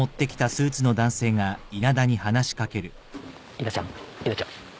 稲ちゃん稲ちゃん。